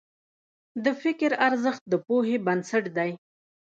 د فکر ارزښت د پوهې بنسټ دی.